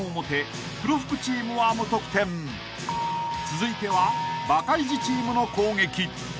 ［続いてはバカイジチームの攻撃］